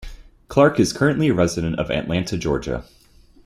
Clark is currently a resident of Atlanta, Georgia.